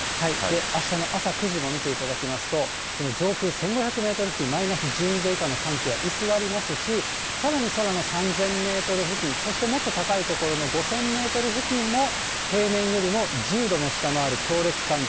あしたの朝９時も見ていただきますと、この上空１５００メートル付近、マイナス１２度以下の寒気は居座りますし、さらに空の３０００メートル付近、そしてもっと高い所の５０００メートル付近も平年よりも１０度も下回る強烈寒気。